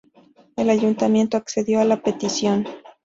El Ayuntamiento accedió a la petición.